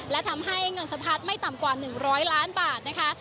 และทำให้เงินสะพัดไม่ต่ำกว่า๑๐๐ล้านบาทนะคะ